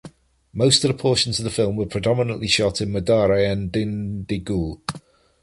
Most of the portions of the film were predominantly shot in Madurai and Dindigul.